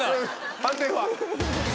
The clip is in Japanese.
判定は？